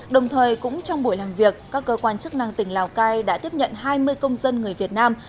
đồng thời cũng trong buổi làm việc các cơ quan chức năng tỉnh lào cai đã tiếp nhận hai mươi công dân người việt nam